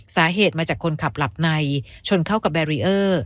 สาเหตุมาจากคนขับหลับในชนเข้ากับแบรีเออร์